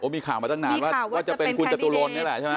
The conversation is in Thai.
มีข่าวมาตั้งนานว่าจะเป็นคุณจตุรนนี่แหละใช่ไหม